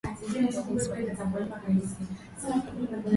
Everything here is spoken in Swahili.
dar es salaam kuna redio nyingine kubwa na ndogo